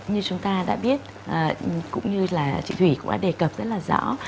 như chúng ta đã biết cũng như là chị thủy cũng đã đề cập rất là rõ